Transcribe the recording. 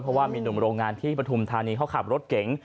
เพราะว่ามีหนุ่มโรงงานที่ปฐุมธานีเขาขับรถเก๋ง